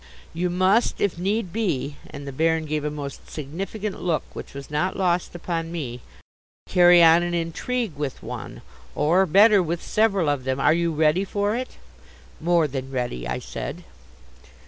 "You must if need be" and the Baron gave a most significant look which was not lost upon me "carry on an intrigue with one or, better, with several of them. Are you ready for it?" "More than ready," I said.